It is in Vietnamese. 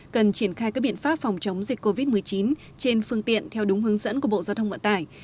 cần triển khai các biện pháp phòng chống dịch covid một mươi chín trên phương tiện theo đúng hướng dẫn của bộ giao thông vận tải